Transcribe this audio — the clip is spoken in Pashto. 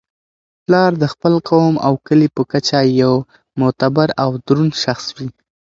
پلار د خپل قوم او کلي په کچه یو معتبر او دروند شخص وي.